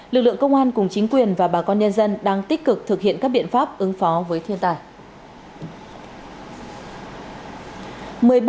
lực lượng công an cùng chính quyền và bà con nhân dân đang tích cực thực hiện các biện pháp ứng phó với thiên tài